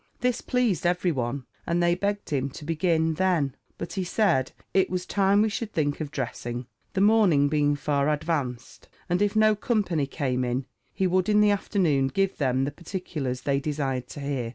This pleased every one, and they begged him to begin then; but he said, it was time we should think of dressing, the morning being far advanced; and if no company came in, he would, in the afternoon, give them the particulars they desired to hear.